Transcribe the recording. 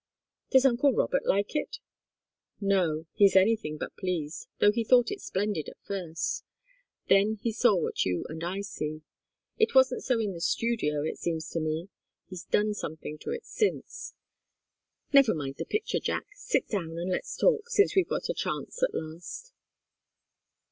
"Does uncle Robert like it?" "No. He's anything but pleased, though he thought it splendid at first. Then he saw what you and I see. It wasn't so in the studio, it seems to me. He's done something to it since. Never mind the picture, Jack. Sit down, and let's talk, since we've got a chance at last."